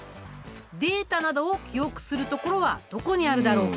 データなどを記憶するところはどこにあるだろうか？